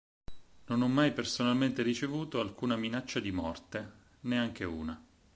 Non ho mai personalmente ricevuto alcuna minaccia di morte, neanche una.